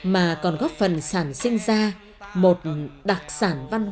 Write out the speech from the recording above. mà còn góp phần sản sinh ra một đặc sản văn hóa